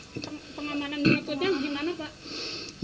pengamanan dari pekerja gimana pak